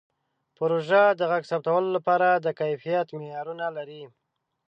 پروژه د غږ ثبتولو لپاره د کیفیت معیارونه لري.